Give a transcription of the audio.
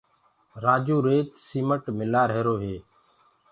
رآجو ريتي سيمٽ ملوآهيرو هي